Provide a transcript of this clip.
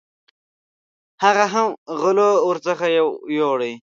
هغه هم غلو ورڅخه یوړې.